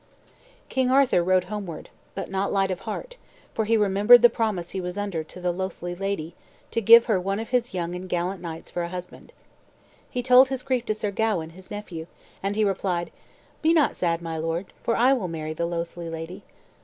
King Arthur rode homeward, but not light of heart, for he remembered the promise he was under to the loathly lady to give her one of his young and gallant knights for a husband. He told his grief to Sir Gawain, his nephew, and he replied, "Be not sad, my lord, for I will marry the loathly lady."